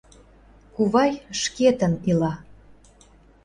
Кувай шкетын ила.